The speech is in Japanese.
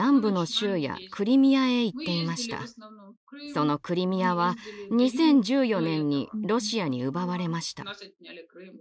そのクリミアは２０１４年にロシアに奪われました。